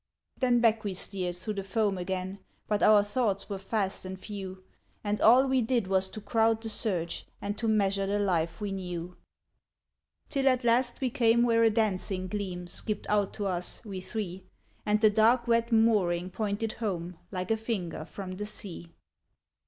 Then back we steered through the foam again. But our thoughts were fast and few ; And all we did was to crowd the surge And to measure the life we knew ;— Till at last we came where a dancing gleam Skipped out to us, we three, — And the dark wet mooring pointed home Like a finger from the sea.